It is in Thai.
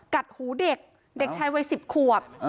กัดหูเด็กเด็กชายวัย๑๐ขวบ